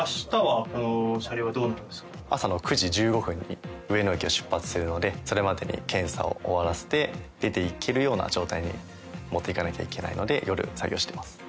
朝の９時１５分に上野駅を出発するのでそれまでに検査を終わらせて出ていけるような状態に持っていかなきゃいけないので夜作業してます。